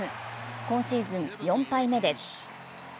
今シーズン４敗目です。